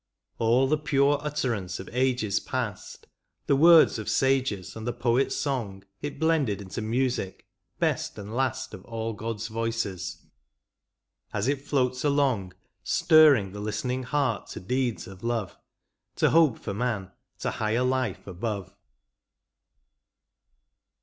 All the pure utterance of ages past. The words of sages, and the poet's song, It blended into music, best and last Of all God's voices ; as it floats along, Stirring the listening heart to deeds of love. To hope for man, to higher life above.